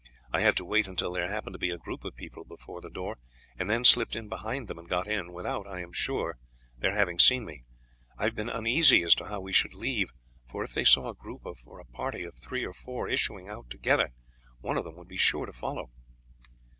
I had to wait until there happened to be a group of people before the door, and then slipped in behind them, and got in without, I am sure, their having seen me. I have been uneasy as to how we should leave, for if they saw a party of three or four issuing out together, one of them would be sure to follow."